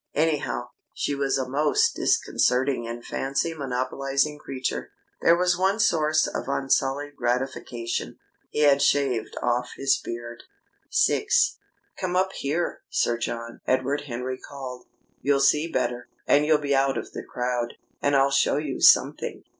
Anyhow, she was a most disconcerting and fancy monopolising creature. There was one source of unsullied gratification: he had shaved off his beard. VI. "Come up here, Sir John," Edward Henry called. "You'll see better, and you'll be out of the crowd. And I'll show you something."